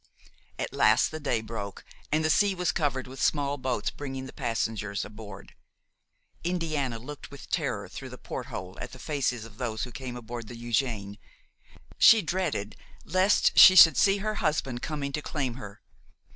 At last the day broke, and the sea was covered with small boats bringing the passengers aboard. Indiana looked with terror through the port hole at the faces of those who came aboard the Eugène; she dreaded lest she should see her husband, coming to claim her.